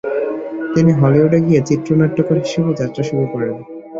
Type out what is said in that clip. তিনি হলিউডে গিয়ে চিত্রনাট্যকার হিসেবে যাত্রা শুরু করেন।